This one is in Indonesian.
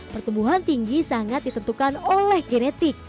pertumbuhan tinggi sangat ditentukan oleh genetik